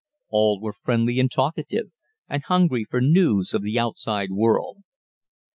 All were friendly and talkative, and hungry for news of the outside world.